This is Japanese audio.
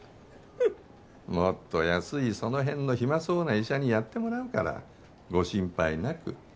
もっと安いその辺の暇そうな医者にやってもらうからご心配なく。